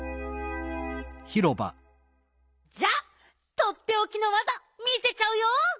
じゃあとっておきのわざ見せちゃうよ！